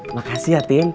makasih ya tien